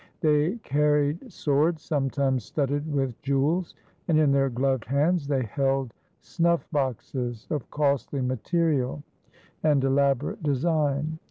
They carried swords, sometimes studded with jewels, and in their gloved hands they held snuff boxes of costly material and elaborate design.